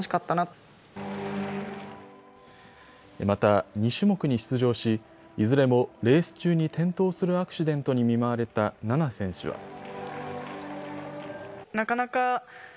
また２種目に出場し、いずれもレース中に転倒するアクシデントに見舞われた菜那選手は。